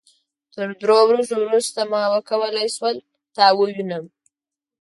تر دریو ورځو وروسته ما وکولای شو تا ووينم.